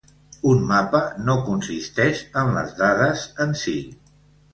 Un mapa no consisteix en les dades en si.